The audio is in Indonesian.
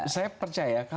saya percaya ya